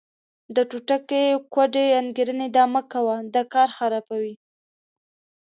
دا ټوټکې، کوډې، انګېرنې دا مه کوئ، دا کار خرابوي.